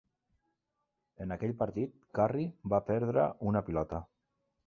En aquell partit, Curry va perdre una pilota.